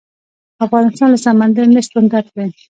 افغانستان له سمندر نه شتون ډک دی.